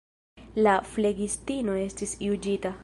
La flegistino estis juĝita.